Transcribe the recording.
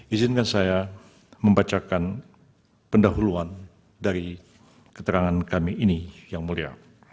izinkan saya membacakan pendahuluan dari keterangan kami ini yang mulia